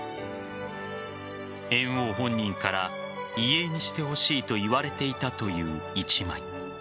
猿翁本人から遺影にしてほしいと言われていたという一枚。